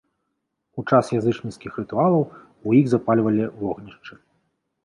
У час язычніцкіх рытуалаў у іх запальвалі вогнішчы.